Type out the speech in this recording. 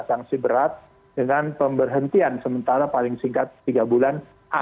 sanksi berat dengan pemberhentian sementara paling singkat tiga bulan